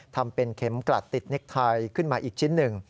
ทำเป็นเข็มกลัดติดเน็กไทยขึ้นมาอีกชิ้นหนึ่ง